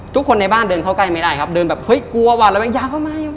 ทุกคนในบ้านเดินเข้าใกล้ไม่ได้ครับเดินแบบเฮ้ยกลัวว่าระแวงยางเข้ามาอยู่